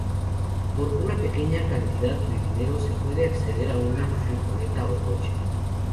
Por una pequeña cantidad de dinero se puede acceder a una furgoneta o coche.